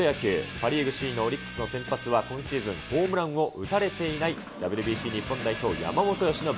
パ・リーグ首位のオリックスの先発は今シーズンホームランを打たれていないＷＢＣ日本代表、山本由伸。